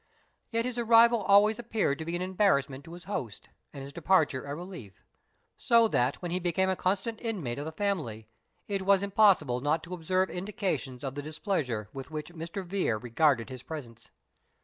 Yet his arrival always appeared to be an embarrassment to his host, and his departure a relief; so that, when he became a constant inmate of the family, it was impossible not to observe indications of the displeasure with which Mr. Vere regarded his presence.